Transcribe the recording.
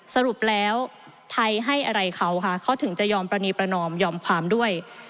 สรุปแล้วไทยให้อะไรเขาค่ะเขาถึงจะยอมปรณีประนอมยอมความด้วย